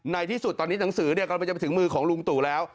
ในที่สุดตอนนี้หนังสือกำลังจะไปถึงมือของลุงตู่แล้ว